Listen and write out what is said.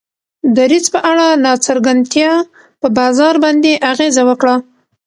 دریځ په اړه ناڅرګندتیا په بازار باندې اغیزه وکړه.